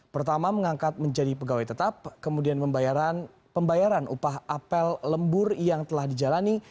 pertama mengangkat menjadi pegawai tetap kemudian pembayaran upah apel lembur yang telah dijalani